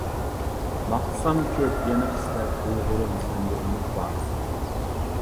ماختىسام كۆپ يەنە خىسلەت، ئۇيغۇرۇم سەندە ئۈمىد بار.